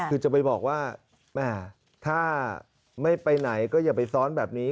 คือจะไปบอกว่าแม่ถ้าไม่ไปไหนก็อย่าไปซ้อนแบบนี้